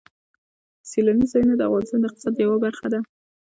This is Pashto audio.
سیلاني ځایونه د افغانستان د اقتصاد یوه برخه ده.